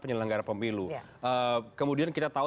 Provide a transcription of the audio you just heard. penyelenggara pemilu kemudian kita tahu